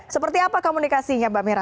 seperti apa komunikasinya mbak mira